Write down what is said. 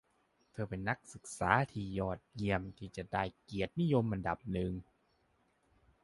เธอเป็นนักศึกษาที่ยอดเยี่ยมที่จะได้เกียรตินิยมอันดับหนึ่ง